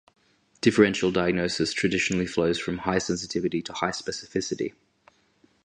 Differential diagnosis traditionally flows from high sensitivity to high specificity.